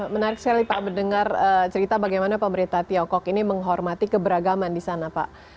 menarik sekali pak mendengar cerita bagaimana pemerintah tiongkok ini menghormati keberagaman di sana pak